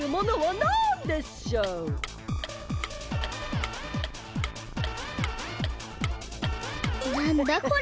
なんだこれ！？